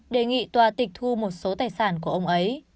đề nghị tòa tịch thu một số tài sản của ông ấy